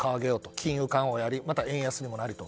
金融緩和をやり、円安にもなりと。